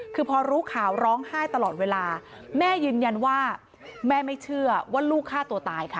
คือพอรู้ข่าวร้องไห้ตลอดเวลาแม่ยืนยันว่าแม่ไม่เชื่อว่าลูกฆ่าตัวตายค่ะ